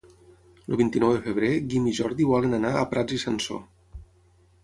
El vint-i-nou de febrer en Guim i en Jordi volen anar a Prats i Sansor.